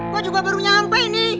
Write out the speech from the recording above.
gue juga baru nyampe nih